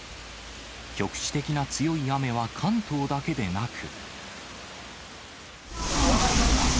局地的な強い雨は関東だけでなく。